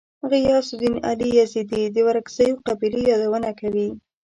غیاث الدین علي یزدي د ورکزیو قبیلې یادونه کوي.